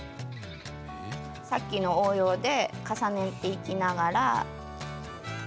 さっきの応用で重ねていきながら。